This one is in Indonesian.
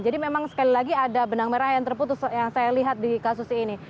jadi memang sekali lagi ada benang merah yang terputus yang saya lihat di kasus